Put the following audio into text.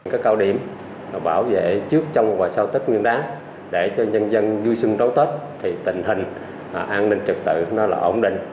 các cao điểm bảo vệ trước trong và sau tết nguyên đáng để cho nhân dân vui xuân đón tết thì tình hình an ninh trực tự nó là ổn định